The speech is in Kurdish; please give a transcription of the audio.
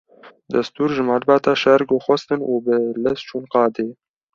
Destûr ji malbata Şêrgo xwestin û bi lez çûn qadê.